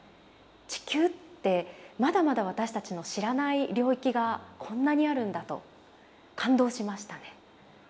地球ってまだまだ私たちの知らない領域がこんなにあるんだと感動しましたね。